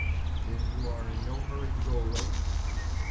"Then you are in no hurry to go away?"